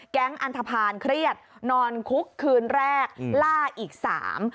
อันทภาณเครียดนอนคุกคืนแรกล่าอีกสาม